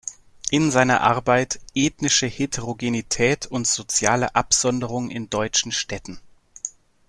In seiner Arbeit „Ethnische Heterogenität und soziale Absonderung in deutschen Städten.